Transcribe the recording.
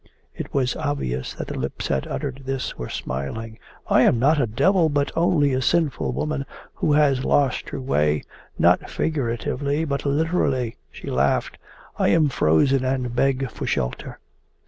It was obvious that the lips that uttered this were smiling. 'I am not a devil, but only a sinful woman who has lost her way, not figuratively but literally!' She laughed. 'I am frozen and beg for shelter.